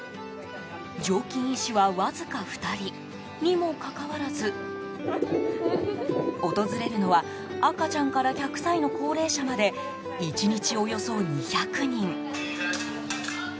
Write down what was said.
常勤医師はわずか２人にもかかわらず訪れるのは、赤ちゃんから１００歳の高齢者まで１日およそ２００人。